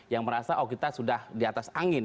yang merasa oh kita sudah di atas angin